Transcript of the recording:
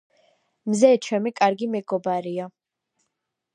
მზე ჩემი კარგი მეგობარია.